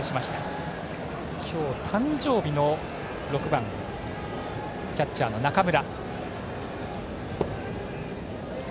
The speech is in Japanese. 打席には今日、誕生日の６番キャッチャー、中村。